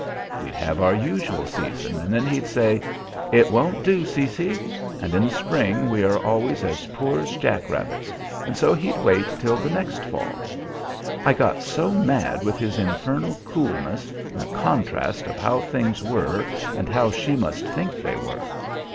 We'd have our usual season, and then he'd say, 'It won't do, Cecy.' And in the spring we are always as poor as jack rabbits, and so he'd wait till the next fall. I got so mad with his infernal coolness, and the contrast of how things were and how she must think they were!